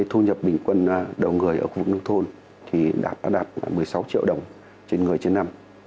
thu nhập bình quân đầu người ở khu vực nông thôn đạt một mươi sáu triệu đồng trên người trên năm